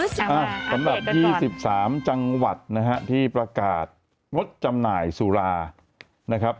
สำหรับ๒๓จังหวัดนะฮะที่ประกาศงดจำหน่ายสุรานะครับ